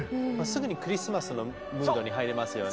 すぐにクリスマスのムードに入れますよね。